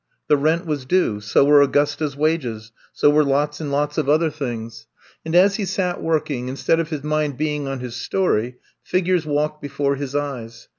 The rent was due ; so were Augus ta 's wages; so were lots and lots of other things. And as he sat working, instead of his mind being on his story, figures walked before his eyes.